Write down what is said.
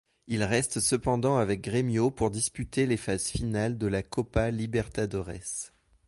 Il reste cependant avec Grêmio pour disputer les phases finales de la Copa Libertadores.